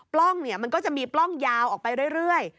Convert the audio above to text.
ล้องมันก็จะมีปล้องยาวออกไปเรื่อย